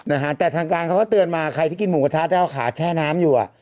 นะฮะแต่ทางการเขาก็เตือนมาใครที่กินหมูกระทะจะเอาขาแช่น้ำอยู่อ่ะ